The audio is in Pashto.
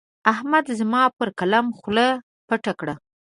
احمد زما پر قلم خوله پټه کړه.